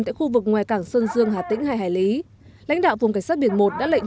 tại khu vực ngoài cảng sơn dương hà tĩnh hai hải lý lãnh đạo vùng cảnh sát biển một đã lệnh